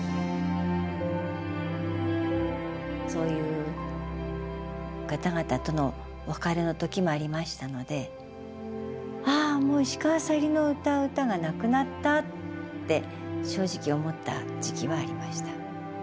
そういう方々との別れの時もありましたので「ああもう石川さゆりが歌う歌がなくなった」って正直思った時期はありました。